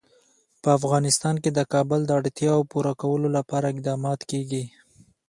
په افغانستان کې د کابل د اړتیاوو پوره کولو لپاره اقدامات کېږي.